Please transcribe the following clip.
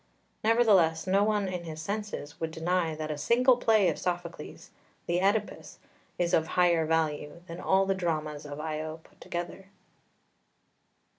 Nevertheless no one in his senses would deny that a single play of Sophocles, the Oedipus, is of higher value than all the dramas of Io put together.